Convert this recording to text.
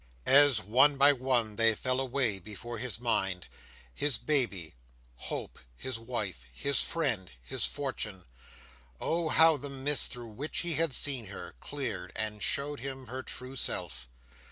As, one by one, they fell away before his mind—his baby—hope, his wife, his friend, his fortune—oh how the mist, through which he had seen her, cleared, and showed him her true self!